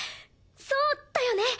そうだよね。